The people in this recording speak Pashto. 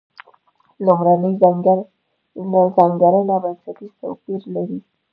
لومړۍ ځانګړنه بنسټیز توپیر لري.